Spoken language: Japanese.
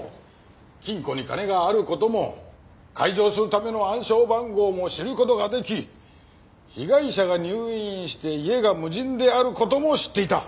金庫に金がある事も解錠するための暗証番号も知る事が出来被害者が入院して家が無人である事も知っていた。